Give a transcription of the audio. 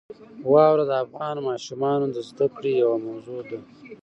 واوره د افغان ماشومانو د زده کړې یوه موضوع ده.